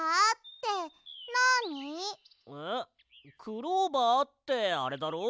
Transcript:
クローバーってあれだろ？